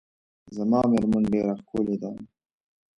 زما میرمن ډیره ښکلې ده .